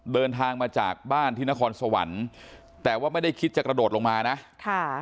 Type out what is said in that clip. เดินทางมาจากบ้านที่นครสวรรค์แต่ว่าไม่ได้คิดจะกระโดดลงมานะค่ะ